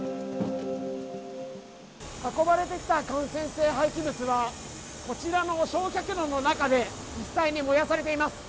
運ばれてきた感染性廃棄物は、こちらの焼却炉の中で、実際に燃やされています。